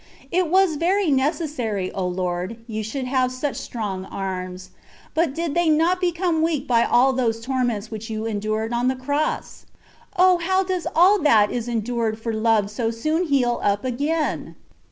It was very necessaiy, O Lord, you should have such strong arms; but did they not become weak by all those torments which you endured on the cross ? O ! how does all that is endured for love soon heal up again